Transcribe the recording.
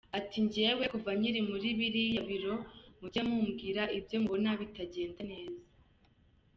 Ati “Njyewe kuva nkiri muri muri biriya biro mujye mubwira ibyo mubona bitagenda neza.